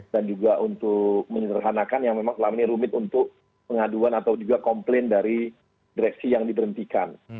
dan juga untuk menyerhanakan yang memang selama ini rumit untuk pengaduan atau juga komplain dari direksi yang diberhentikan